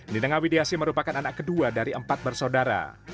nidengawidiasi merupakan anak kedua dari empat bersaudara